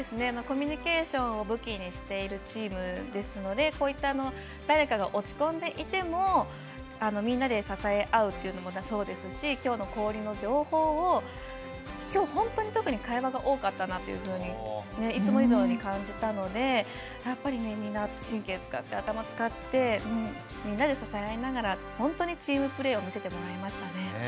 コミュニケーションを武器にしているチームですので、こういった誰かが落ち込んでいてもみんなで支え合うっていうのもそうですしきょうの氷の情報をきょう、本当に特に会話が多かったなといつも以上に感じたのでやっぱり、みんな神経使って頭使ってみんなで支え合いながら本当にチームプレーを見せてもらいました。